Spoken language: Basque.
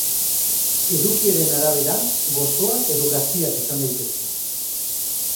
Edukiaren arabera gozoak edo gaziak izan daitezke.